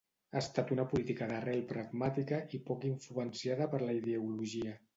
Ha estat una política d'arrel pragmàtica i poc influenciada per la ideologia